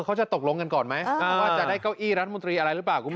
เขาจะตกลงกันก่อนไหมว่าจะได้เก้าอี้รัฐมนตรีอะไรหรือเปล่าคุณผู้ชม